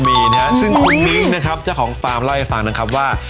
มีนะฮะซึ่งคุณมิ้งนะครับเจ้าของฟาร์มเล่าให้ฟังนะครับว่า